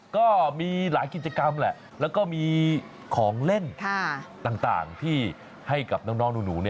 ก็มีหลายกิจกรรมแหละแล้วก็มีของเล่นต่างที่ให้กับน้องหนู